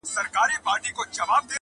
مستغني هم له پاچا هم له وزیر یم!